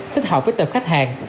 thích hợp với tầm khách hàng